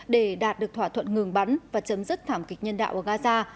để đạt được thỏa thuận ngừng bắn và chấm dứt thảm kịch nhân đạo ở gaza